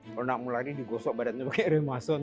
kalau tidak mau lari digosok badannya pakai remason